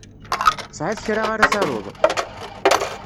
Tesɛiḍ kra ara taruḍ?